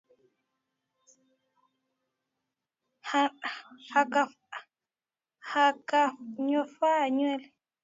Akanyofoa nywele kadhaa za kwapani akazipaka mate na kuzibandika kwenye kitasa